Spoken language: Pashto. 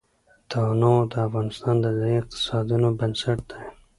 تنوع د افغانستان د ځایي اقتصادونو بنسټ دی.